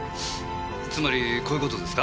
つまりこういう事ですか？